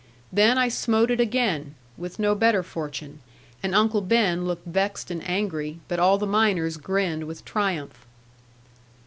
Then I smote it again, with no better fortune, and Uncle Ben looked vexed and angry, but all the miners grinned with triumph.